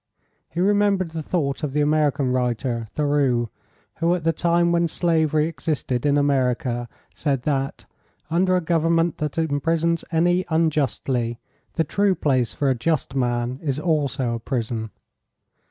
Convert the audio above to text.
He remembered the thought of the American writer, Thoreau, who at the time when slavery existed in America said that "under a government that imprisons any unjustly the true place for a just man is also a prison."